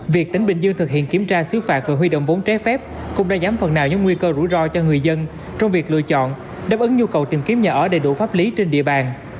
việc tỉnh bình dương thực hiện kiểm tra xứ phạt và huy động vốn trái phép cũng đã giảm phần nào những nguy cơ rủi ro cho người dân trong việc lựa chọn đáp ứng nhu cầu tìm kiếm nhà ở đầy đủ pháp lý trên địa bàn